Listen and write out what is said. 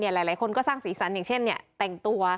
หลายคนก็สร้างศีรษรรอย่างเช่นต้องมีทั้งตัว